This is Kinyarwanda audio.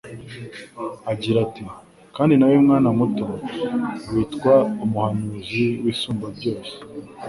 agira ati :"Kandi nawe mwana muto, witwa umuhanuzi w'Isumba byose;